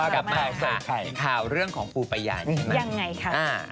ข่าวเรื่องของปูปะยานยังไงครับ